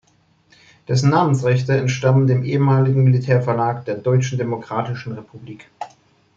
Dessen Namensrechte entstammen dem ehemaligen Militärverlag der Deutschen Demokratischen Republik.